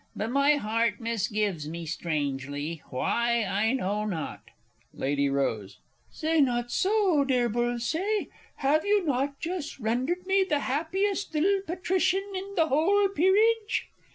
But my heart misgives me strangely why, I know not. Lady R. Say not so, dear Bullsaye have you not just rendered me the happiest little Patrician in the whole peerage?